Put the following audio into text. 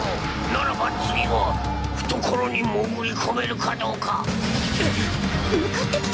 ならば次は懐に潜り込めるかどうか。